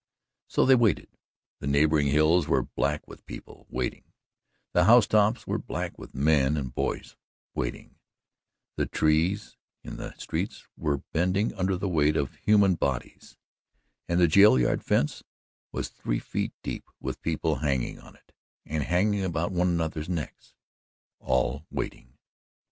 So they waited the neighbouring hills were black with people waiting; the housetops were black with men and boys waiting; the trees in the streets were bending under the weight of human bodies; and the jail yard fence was three feet deep with people hanging to it and hanging about one another's necks all waiting.